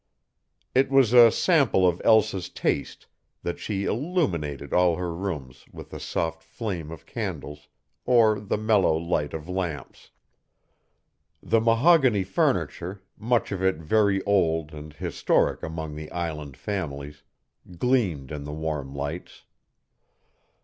It was a sample of Elsa's taste that she illuminated all her rooms with the soft flame of candles or the mellow light of lamps. The mahogany furniture, much of it very old and historic among the island families, gleamed in the warm lights.